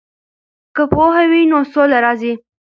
که پوهه وي نو سوله راځي.